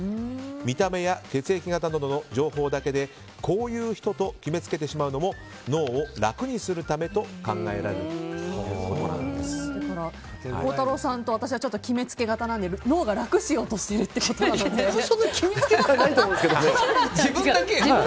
見た目や血液型などの情報だけでこういう人と決めつけてしまうのも脳を楽にするためと考えられている孝太郎さんと私は決めつけ型なので脳が楽しようとしている僕はそんなに決めつけてないと自分だけよ！